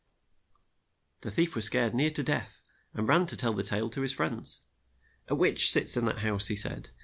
The thief was scared near to death, and ran to tell the tale to his friends. "A witch sits in the house," he said.